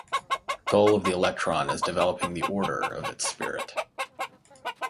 The goal of the electron is developing the order of its Spirit.